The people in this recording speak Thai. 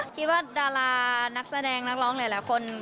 คิดว่าดารานักแสดงนักร้องหลายคน